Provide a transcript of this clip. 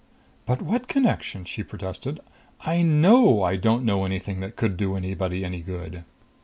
"But what connection?" she protested. "I know I don't know anything that could do anybody any good!"